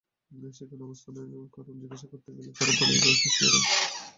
সেখানে অবস্থানের কারণ জিজ্ঞেস করতে গেলে তাঁরা পালিয়ে যাওয়ার চেষ্টা করেন।